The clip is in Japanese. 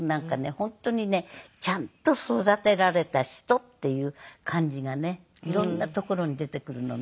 本当にねちゃんと育てられた人っていう感じがね色んなところに出てくるのね。